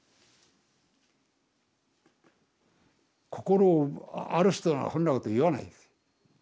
心ある人ならそんなこと言わないです。